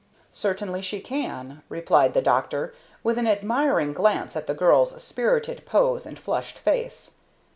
"Certainly she can," replied the doctor, with an admiring glance at the girl's spirited pose and flushed face.